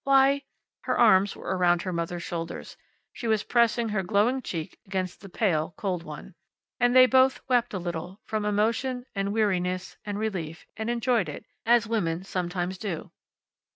Why " Her arms were around her mother's shoulders. She was pressing her glowing cheek against the pale, cold one. And they both wept a little, from emotion, and weariness, and relief, and enjoyed it, as women sometimes do.